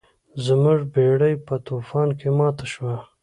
زموږ بیړۍ په طوفان کې ماته شوه.